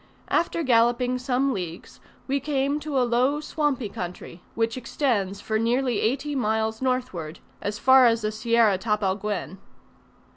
After galloping some leagues, we came to a low swampy country, which extends for nearly eighty miles northward, as far as the Sierra Tapalguen.